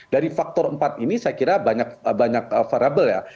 dari faktor empat ini saya kira banyak faktor